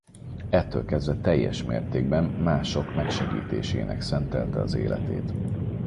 Ettől kezdve teljes mértékben mások megsegítésének szentelte az életét.